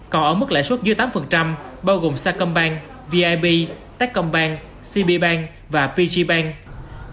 còn ở mức lãi suất dưới tám bao gồm sacombank vip techcom bank cb bank và pg bank